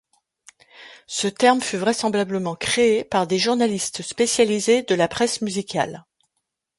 Ce terme fut vraisemblablement créé par des journalistes spécialisés de la presse musicale.